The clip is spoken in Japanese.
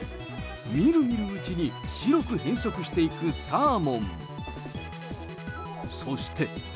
みるみるうちに白く変色していくサーモン。